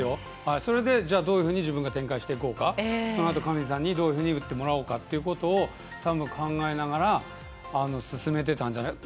それで、じゃあどういうふうに自分が展開していこうかそのあと、上地さんにどういうふうに打ってもらおうかというのをたぶん、考えながら進めてたんじゃないかな。